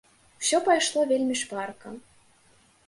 Усё пайшло вельмі шпарка.